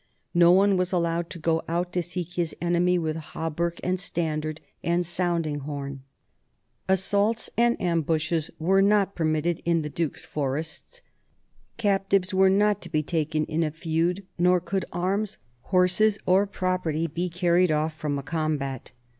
No one was allowed to go out to seek his enemy with hauberk and standard and sounding horn. Assaults and ambushes were not per mitted in the duke's forests; captives were not to be NORMANDY AND ENGLAND 69 taken in a feud, nor could arms, horses, or property be carried off from a combat.